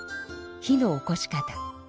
火のおこし方。